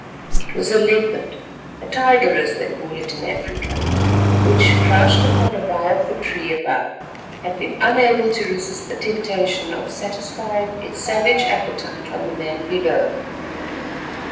It was a leopard—a tiger as they call it in Africa—which, crouched upon a bough of the tree above, had been unable to resist the temptation of satisfying its savage appetite on the man below.